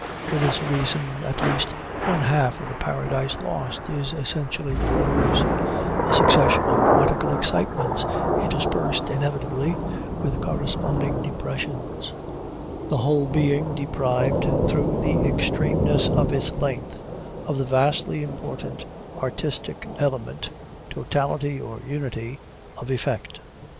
For this reason, at least one half of the Paradise Lost is essentially prose a succession of poetical excitements interspersed, inevitably, with corresponding depressions the whole being deprived, through the extremeness of its length, of the vastly important artistic element, totality, or unity, of effect.